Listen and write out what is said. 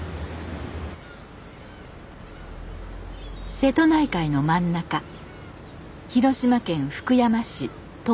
瀬戸内海の真ん中広島県福山市鞆の浦。